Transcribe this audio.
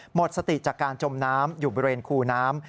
หมดสติจากการจมน้ำอยู่บริเวณคูน้ำ